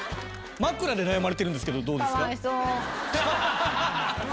枕で悩まれてるんですけどどうですか？